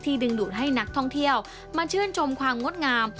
ดึงดูดให้นักท่องเที่ยวมาชื่นชมความงดงาม